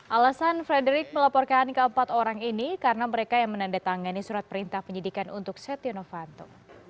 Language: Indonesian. alasan frederick melaporkan keempat orang ini karena mereka yang menandatangani surat perintah penyidikan untuk setia novanto